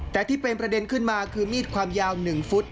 แต่ที่เป็นประเด็นขึ้นมาคือมีดความยาว๑ฟุต